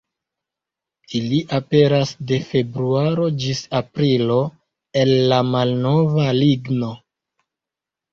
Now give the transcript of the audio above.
Ili aperas de februaro ĝis aprilo el la malnova ligno.